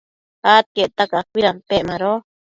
adquiecta cacuidampec mado